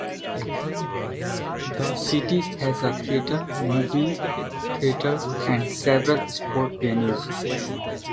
The city has a theater, movie theaters, and several sports venues.